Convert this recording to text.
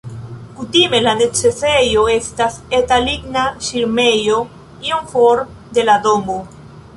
Kutime la necesejo estas eta ligna ŝirmejo iom for de la domo.